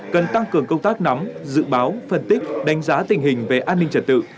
cần tăng cường công tác nắm dự báo phân tích đánh giá tình hình về an ninh trật tự